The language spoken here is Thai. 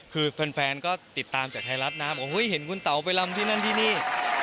คือแฟนก็ติดตามจากไทยรัฐนะโอ้โหเห็นคุณเต๋าไปลำที่นั่นที่นี่